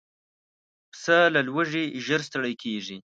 پسه له لوږې ژر ستړی کېږي.